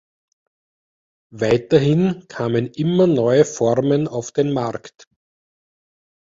Weiterhin kamen immer neue Formen auf den Markt.